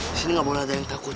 di sini nggak boleh ada yang takut